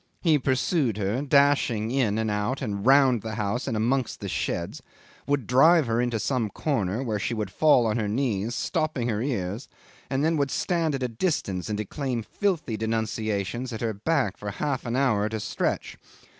He pursued her, dashing in and out and round the house and amongst the sheds, would drive her into some corner, where she would fall on her knees stopping her ears, and then he would stand at a distance and declaim filthy denunciations at her back for half an hour at a stretch.